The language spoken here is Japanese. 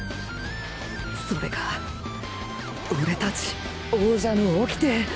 それが俺たち王者の掟！